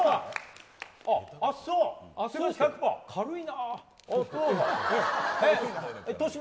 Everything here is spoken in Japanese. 軽いな。